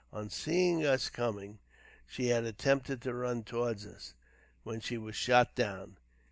On seeing us coming, she had attempted to run towards us, when she was shot down.